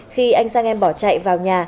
khi anh sang em bỏ chạy vào nhà